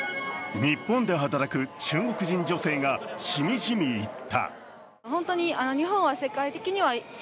日本で働く中国人女性がしみじみ言った。